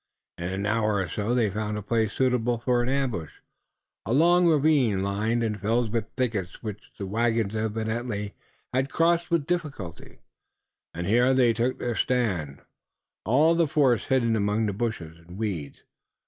In an hour or so they found a place suitable for an ambush, a long ravine, lined and filled with thickets which the wagons evidently had crossed with difficulty, and here they took their stand, all of the force hidden among the bushes and weeds.